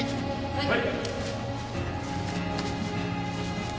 はい。